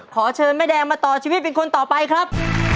ขอเชิญแม่แดงมาต่อชีวิตเป็นคนต่อไปครับ